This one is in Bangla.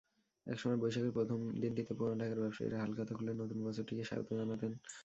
একসময় বৈশাখের প্রথম দিনটিতে পুরান ঢাকার ব্যবসায়ীরা হালখাতা খুলে নতুন বছরটিকে স্বাগত জানাতেন।